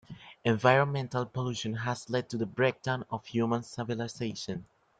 Environmental pollution has led to a breakdown of human civilization.